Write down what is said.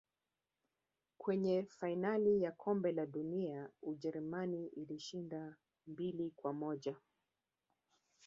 Kwenye fainali ya kombe la dunia ujerumani ilishinda mbili kwa moja